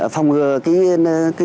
phòng ngừa cái